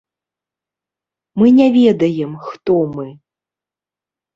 Мы не ведаем, хто мы.